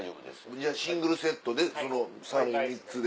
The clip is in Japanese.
じゃあシングルセットサーロイン３つで。